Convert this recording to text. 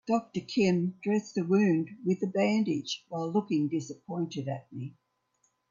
Doctor Kim dressed the wound with a bandage while looking disappointed at me.